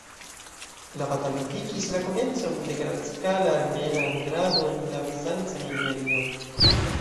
La batalo indikis la komencon de grandskala armena migrado en la Bizancan Imperion.